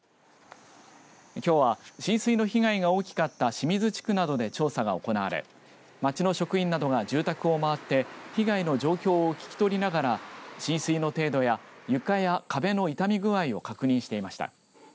きょうは浸水の被害が大きかった清水地区などで調査が行われ町の職員などが住宅を回って被害の状況を聞き取りながら浸水の程度や床や壁の傷み具合を確認していました。